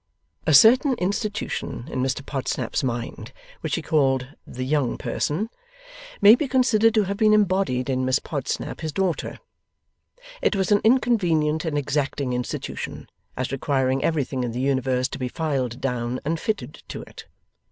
A certain institution in Mr Podsnap's mind which he called 'the young person' may be considered to have been embodied in Miss Podsnap, his daughter. It was an inconvenient and exacting institution, as requiring everything in the universe to be filed down and fitted to it.